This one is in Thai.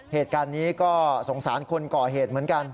เหตุการณ์นี้ก็สงสารคนก่อเหตุเหมือนกัน